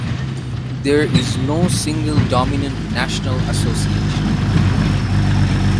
There is no single dominant national association.